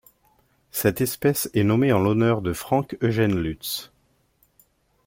Cette espèce est nommée en l'honneur de Frank Eugene Lutz.